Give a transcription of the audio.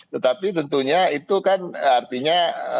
tetapi tentunya itu kan artinya